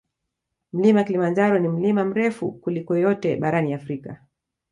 Mlima kilimanjaro ni mlima mrefu kuliko yote barani Afrika